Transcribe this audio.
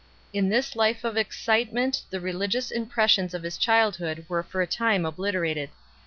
In this life of excitement the religious impressions of his childhood were for a time obliterated.